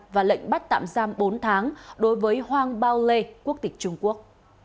và lệnh bắt tạm giam bốn tháng đối với hoàng bao lê quốc tịch trung quốc